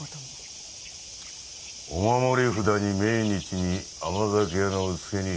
お守り札に命日に甘酒屋の卯助に。